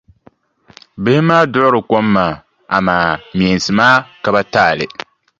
Bihi maa duɣiri kom maa amaa meensi maa ka ba taali.